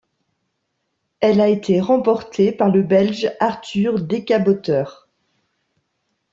Elle a été remportée par le Belge Arthur Decabooter.